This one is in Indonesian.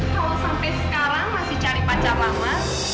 kalau sampai sekarang masih cari pacar lama